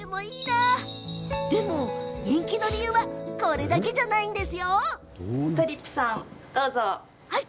でも、人気の理由はこれだけじゃないんです。